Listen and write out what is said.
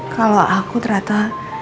kalau aku ternyata